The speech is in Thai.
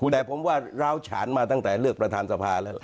แต่ผมว่าร้าวฉานมาตั้งแต่เลือกประธานสภาแล้ว